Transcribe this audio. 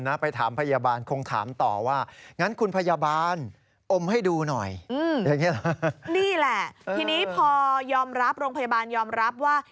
นี่แหละทีนี้พอยอมรับโรงพยาบาลยอมรับว่า